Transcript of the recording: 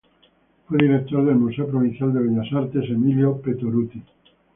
Fue director del Museo Provincial de Bellas Artes Emilio Pettoruti.